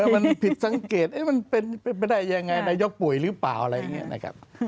มันผิดสังเกตมันเป็นไปได้ยังไงนายกป่วยหรือเปล่าอะไรอย่างนี้นะครับ